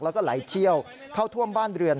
แล้วก็ไหลเชี่ยวเข้าท่วมบ้านเรือน